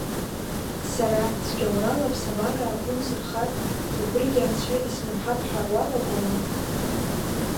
Сара цәгьаурала аԥсабара агәы нсырхар, убригьы анцәа исмырҳап ҳәа уалагома?